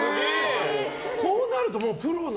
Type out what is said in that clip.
こうなるとプロの。